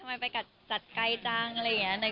ไปกัดไกลจังอะไรอย่างนี้